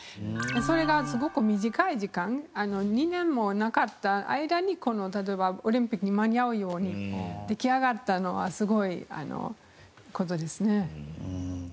それがすごく短い時間２年もなかった間に例えばオリンピックに間に合うように出来上がったのはすごい事ですね。